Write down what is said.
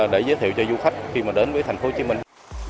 để giới thiệu cho du khách khi mà đến với thành phố hồ chí minh